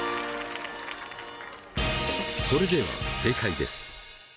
それでは正解です。